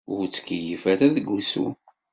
Ur ttkeyyif ara deg wusu.